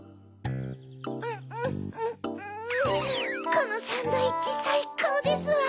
このサンドイッチさいこうですわ！